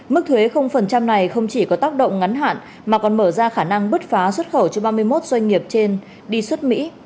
mức thuế này không chỉ có tác động ngắn hạn mà còn mở ra khả năng bứt phá xuất khẩu cho ba mươi một doanh nghiệp trên đi xuất mỹ